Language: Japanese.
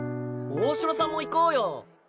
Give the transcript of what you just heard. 大城さんも行こうよ。